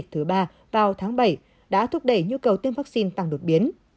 thứ ba vào tháng bảy đã thúc đẩy nhu cầu tiêm vaccine tăng đột biến